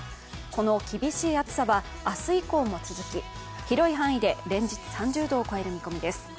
この厳しい暑さは明日以降も続き、広い範囲で連日３０度を超える見込みです。